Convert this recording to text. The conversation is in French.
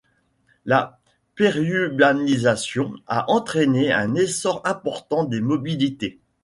La périurbanisation a entraîné un essor important des mobilités.